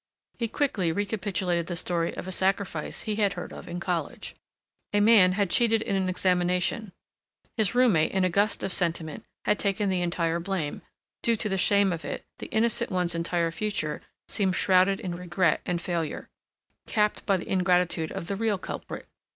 He quickly recapitulated the story of a sacrifice he had heard of in college: a man had cheated in an examination; his roommate in a gust of sentiment had taken the entire blame—due to the shame of it the innocent one's entire future seemed shrouded in regret and failure, capped by the ingratitude of the real culprit.